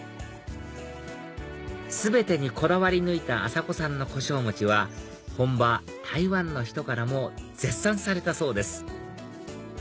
全てにこだわり抜いた浅古さんの胡椒餅は本場台湾の人からも絶賛されたそうです